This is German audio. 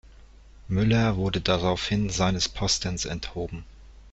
Müller wurde daraufhin seines Postens enthoben.